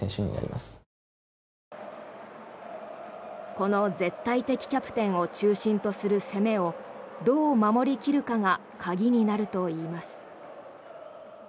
この絶対的キャプテンを中心とする攻めをどう守り切るかが鍵になるといいます。